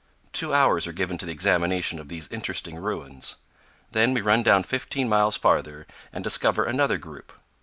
Two hours are given to the examination of these interesting ruins; then we run down fifteen miles farther, and discover another group.